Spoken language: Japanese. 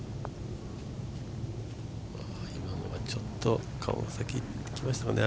今のはちょっと顔が先にいきましたね。